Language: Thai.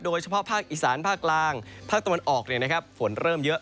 โดยเฉพาะภาคอีสานภาคกลางภาคตะวันออกฝนเริ่มเยอะ